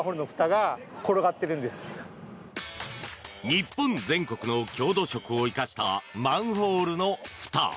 日本全国の郷土色を生かしたマンホールのふた。